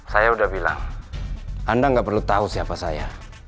saya udah bilang anda nggak perlu tahu siapa saya